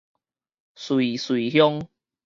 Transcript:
瑞穗鄉